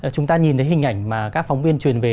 chúng ta nhìn thấy hình ảnh mà các phóng viên truyền về